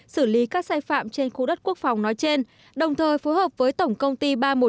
xử lý các sai phạm trên khu đất quốc phòng nói trên đồng thời phối hợp với tổng công ty ba trăm một mươi chín